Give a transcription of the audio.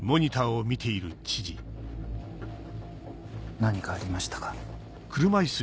何かありましたか？